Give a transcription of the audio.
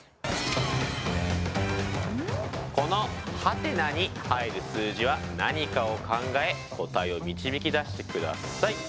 このはてなに入る数字は何かを考え答えを導き出してください。